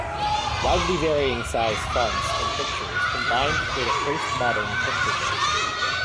Widely varying size fonts and pictures combine to create a post-modern picture book.